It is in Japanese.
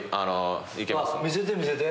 見せて見せて。